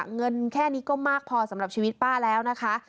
เงินแค่นี้ก็มากพอสำหรับชีวิตป้าแล้วนะคะ